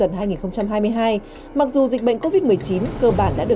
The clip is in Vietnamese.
ảnh hưởng đến người dân